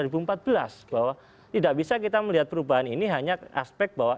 bahwa tidak bisa kita melihat perubahan ini hanya aspek bahwa